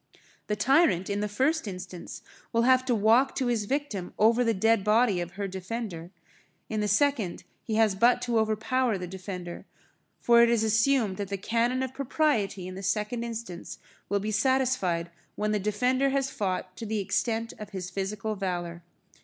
The tyrant, in the first instance, will have to walk to his victim over the dead body of her defender; in the second, he has but to overpower the defender; for it is assumed that the cannon of propriety in the second instance will be satisfied when the defender has fought to the extent of his physical valour.